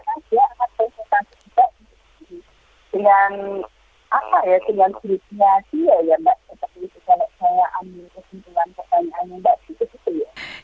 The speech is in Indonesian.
seperti itu kalau saya ambil kesimpulan ke pni mbak